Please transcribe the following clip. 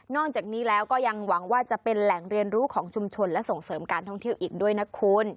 จากนี้แล้วก็ยังหวังว่าจะเป็นแหล่งเรียนรู้ของชุมชนและส่งเสริมการท่องเที่ยวอีกด้วยนะคุณ